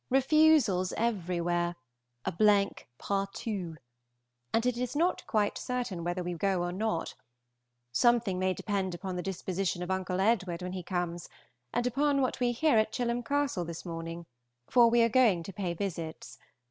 Refusals everywhere a blank partout and it is not quite certain whether we go or not; something may depend upon the disposition of Uncle Edward when he comes, and upon what we hear at Chilham Castle this morning, for we are going to pay visits.